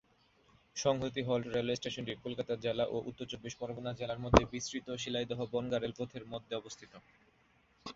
সংহতি halt railway স্টেশনটি কলকাতা জেলা ও উত্তর চব্বিশ পরগণা জেলার মধ্যে বিস্তৃত শিয়ালদহ বনগাঁ রেলপথের মধ্যে অবস্থিত।